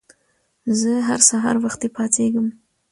زه هر سهار وختي پاڅېږم.